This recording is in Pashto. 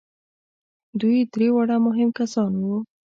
دوی درې واړه مهم کسان وو.